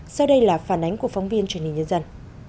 sau đây là phản ánh của phóng viên truyền hình nhân dân